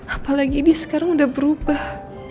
apalagi dia sekarang udah berubah